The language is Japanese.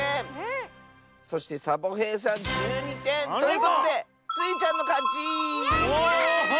そしてサボへいさん１２てん。ということでスイちゃんのかち！やった！